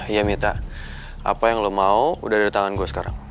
iya mita apa yang lu mau udah ada tangan gue sekarang